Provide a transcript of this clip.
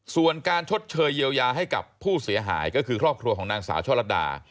ส่วนการชดเชยเยียวยาให้กับผู้เสียหายก็คือครอบครัวของนางสาวช่อลัดดา